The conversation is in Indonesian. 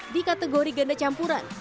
di kategori ganda campuran